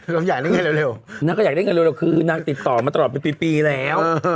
เราอยากได้เงินเร็วนางก็อยากได้เงินเร็วคือนางติดต่อมาตลอดเป็นปีแล้ว